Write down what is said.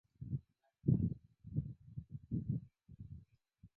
Many of her recordings appear on Rounder Records.